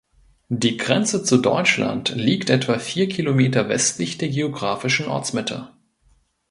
Die Grenze zu Deutschland liegt etwa vier Kilometer westlich der geografischen Ortsmitte.